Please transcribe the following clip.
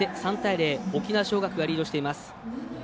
０沖縄尚学がリードしています。